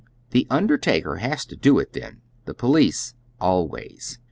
The undertaker has to do it then, the police always.